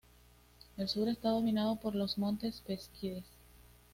El sur está dominado por los montes Beskides.